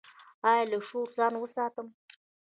ایا له شور ځان وساتم؟